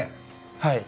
はい。